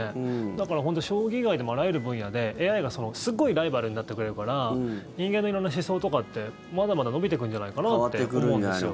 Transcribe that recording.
だから本当、将棋以外でもあらゆる分野でＡＩがすごいライバルになってくれるから人間の色んな思想とかってまだまだ伸びていくんじゃないかなって思うんですよ。